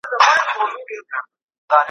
که ته حلال رزق وګټې نو په کور کې به دې سکون وي.